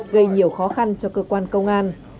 gây nhiều khó khăn cho cơ quan công an